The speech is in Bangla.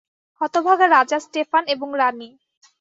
হতভাগা রাজা স্টেফান এবং রাণী।